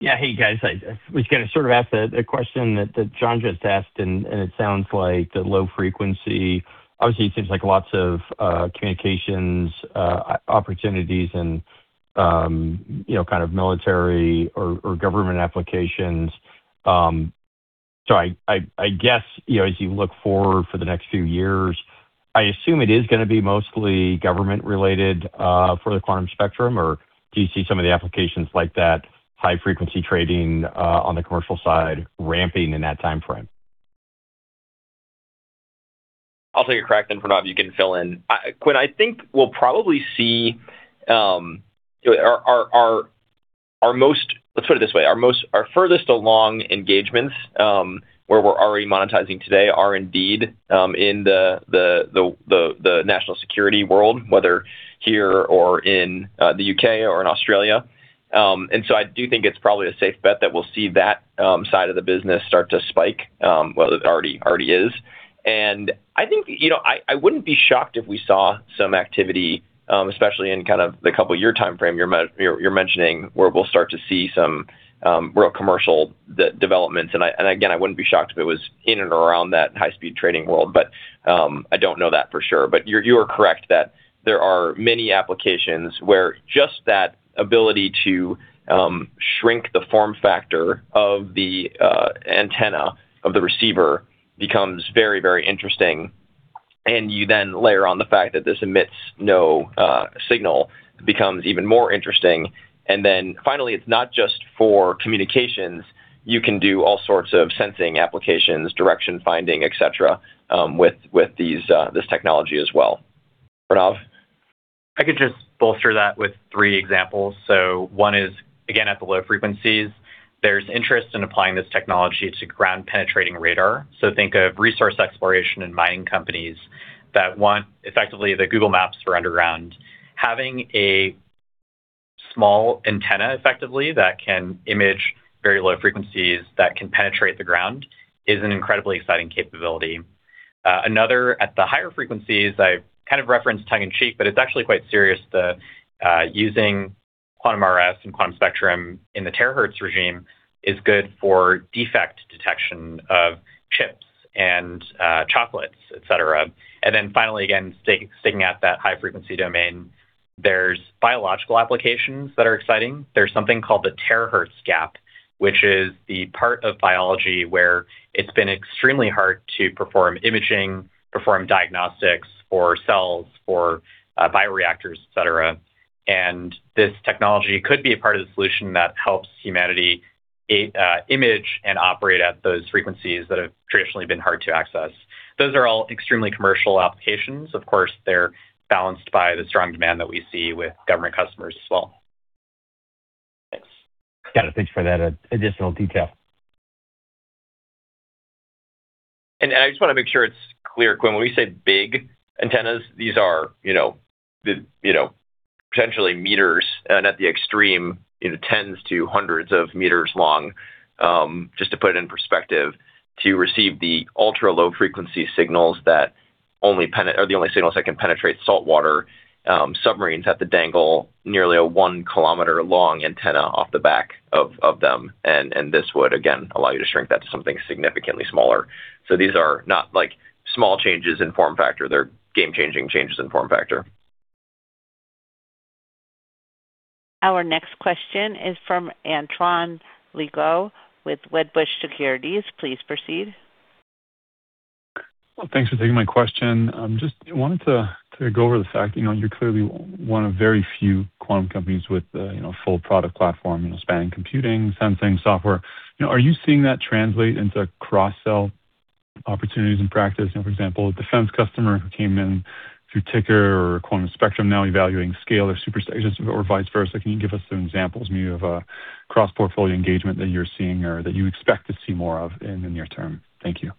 Hey, guys. I was gonna sort of ask a question John just asked. It sounds like the low frequency, obviously it seems like lots of communications opportunities and, you know, kind of military or government applications. I guess, you know, as you look forward for the next few years, I assume it is gonna be mostly government-related for the Quantum Spectrum, or do you see some of the applications like that High Frequency Trading on the commercial side ramping in that timeframe? I'll take a crack, then Pranav, you can fill in. Quinn, I think we'll probably see. Let's put it this way. Our furthest along engagements, where we're already monetizing today are indeed in the national security world, whether here or in the U.K. or in Australia. I do think it's probably a safe bet that we'll see that side of the business start to spike, well it already is. I think, you know, I wouldn't be shocked if we saw some activity, especially in kind of the couple year timeframe you're mentioning, where we'll start to see some real commercial developments. Again, I wouldn't be shocked if it was in and around that high-speed trading world, but I don't know that for sure. You are correct that there are many applications where just that ability to shrink the form factor of the antenna of the receiver becomes very, very interesting. You then layer on the fact that this emits no signal becomes even more interesting. Then finally, it's not just for communications. You can do all sorts of sensing applications, direction finding, etcetera, with these this technology as well. Pranav? I could just bolster that with three examples. One is, again, at the low frequencies, there's interest in applying this technology to ground-penetrating radar. Think of resource exploration and mining companies that want effectively the Google Maps for underground. Having a small antenna effectively that can image very low frequencies that can penetrate the ground is an incredibly exciting capability. Another at the higher frequencies, I kind of referenced tongue-in-cheek, but it's actually quite serious. The using Quantum RF and Quantum Spectrum in the terahertz regime is good for defect detection of chips and chocolates, etcetera. Finally, again, sticking at that high frequency domain, there's biological applications that are exciting. There's something called the terahertz gap, which is the part of biology where it's been extremely hard to perform imaging, perform diagnostics for cells, for bioreactors, etcetera. This technology could be a part of the solution that helps humanity image and operate at those frequencies that have traditionally been hard to access. Those are all extremely commercial applications. Of course, they're balanced by the strong demand that we see with government customers as well. Thanks. Got it. Thanks for that additional detail. I just want to make sure it's clear, Quinn, when we say big antennas, these are, you know, the, you know, potentially meters and at the extreme, you know, tens to hundreds of meters long, just to put it in perspective. To receive the ultra-low frequency signals, the only signals that can penetrate saltwater, submarines have to dangle nearly a 1 km-long antenna off the back of them. This would again, allow you to shrink that to something significantly smaller. These are not like small changes in form factor. They're game-changing changes in form factor. Our next question is from Antoine Legault with Wedbush Securities. Please proceed. Well, thanks for taking my question. Just wanted to go over the fact, you know, you're clearly one of very few quantum companies with, you know, full product platform, you know, spanning computing, sensing, software. You know, are you seeing that translate into cross-sell opportunities in practice? You know, for example, a defense customer who came in through Tiqker or Quantum Spectrum now evaluating Sqale or Superstaq or vice versa. Can you give us some examples maybe of a cross-portfolio engagement that you're seeing or that you expect to see more of in the near term? Thank you.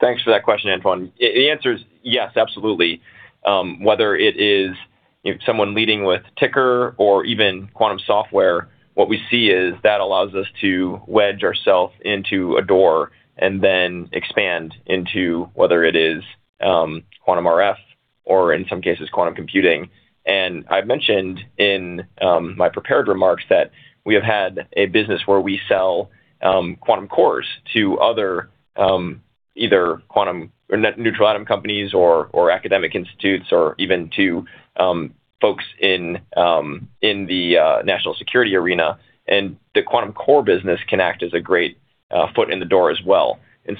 Thanks for that question, Antoine. The answer is yes, absolutely. Whether it is, you know, someone leading with Tiqker or even Quantum software, what we see is that allows us to wedge ourself into a door and then expand into whether it is Quantum RF or in some cases quantum computing. I've mentioned in my prepared remarks that we have had a business where we sell quantum cores to other either quantum or neutral atom companies or academic institutes or even to folks in the national security arena. The quantum core business can act as a great foot in the door as well.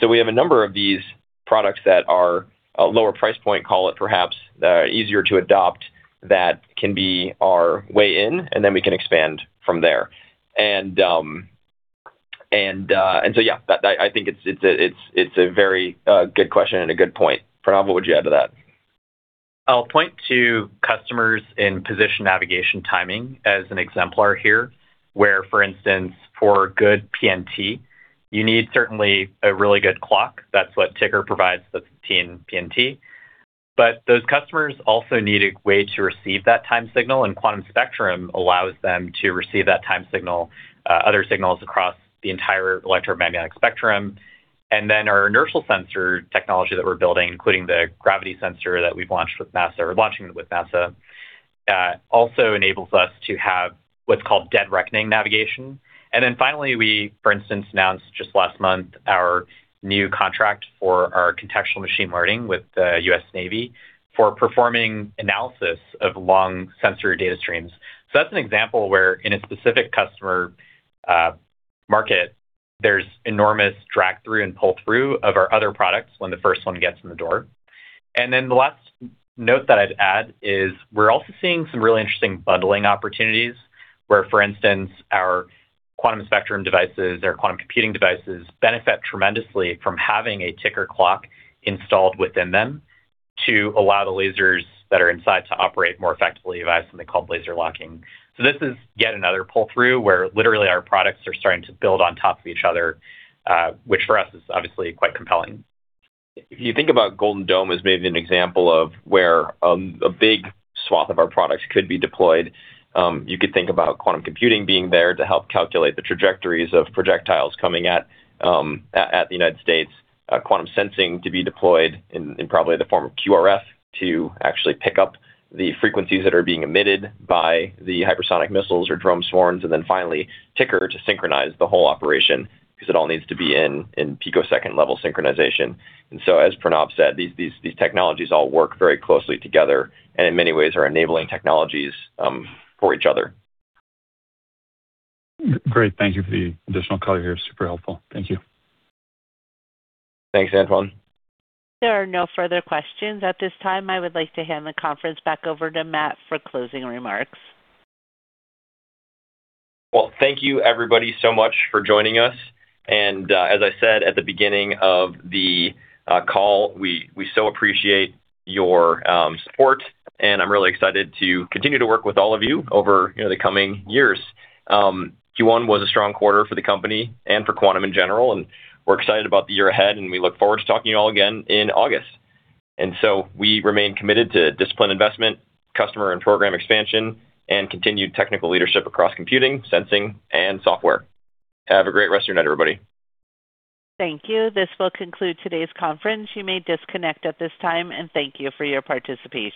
We have a number of these products that are a lower price point, call it perhaps, easier to adopt, that can be our way in, and then we can expand from there. So, yeah, I think it's a very good question and a good point. Pranav, what would you add to that? I'll point to customers in position, navigation, timing as an exemplar here, where, for instance, for good PNT, you need certainly a really good clock. That's what Tiqker provides the T in PNT. Those customers also need a way to receive that time signal, and Quantum Spectrum allows them to receive that time signal, other signals across the entire electromagnetic spectrum. Our inertial sensor technology that we're building, including the gravity sensor that we've launched with NASA or launching with NASA, also enables us to have what's called dead reckoning navigation. Finally, we, for instance, announced just last month our new contract for our Contextual Machine Learning with the U.S. Navy for performing analysis of long sensor data streams. That's an example where in a specific customer, market, there's enormous drag-through and pull-through of our other products when the first one gets in the door. The last note that I'd add is we're also seeing some really interesting bundling opportunities where, for instance, our Quantum Spectrum devices or quantum computing devices benefit tremendously from having a Tiqker clock installed within them to allow the lasers that are inside to operate more effectively via something called laser locking. This is yet another pull-through where literally our products are starting to build on top of each other, which for us is obviously quite compelling. If you think about Golden Dome as maybe an example of where a big swath of our products could be deployed, you could think about quantum computing being there to help calculate the trajectories of projectiles coming at the United States, quantum sensing to be deployed in probably the form of QRF to actually pick up the frequencies that are being emitted by the hypersonic missiles or drone swarms, finally, Tiqker to synchronize the whole operation because it all needs to be in picosecond-level synchronization. As Pranav said, these technologies all work very closely together and in many ways are enabling technologies for each other. Great. Thank you for the additional color here. Super helpful. Thank you. Thanks, Antoine. There are no further questions at this time. I would like to hand the conference back over to Matt for closing remarks. Well, thank you everybody so much for joining us. As I said at the beginning of the call, we so appreciate your support. I'm really excited to continue to work with all of you over, you know, the coming years. Q1 was a strong quarter for the company and for Quantum in general. We're excited about the year ahead. We look forward to talking to you all again in August. We remain committed to disciplined investment, customer and program expansion, and continued technical leadership across computing, sensing, and software. Have a great rest of your night, everybody. Thank you. This will conclude today's conference. You may disconnect at this time, and thank you for your participation.